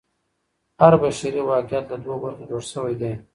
هر بشري واقعیت له دوو برخو جوړ سوی دی.